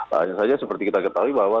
hanya saja seperti kita ketahui bahwa